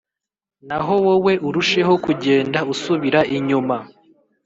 naho wowe urusheho kugenda usubira inyuma